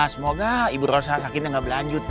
semoga ibu rosa sakitnya tidak berlanjut